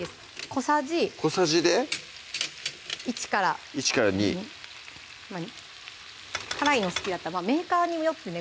小さじ小さじで１２１２辛いの好きだったらまぁメーカーにもよってね